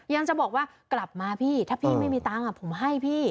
ยังจะบอกว่ากลับมาพี่ถ้าพี่ไม่มีตังค์ผมให้พี่